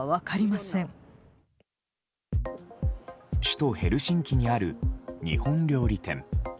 首都ヘルシンキにある日本料理店。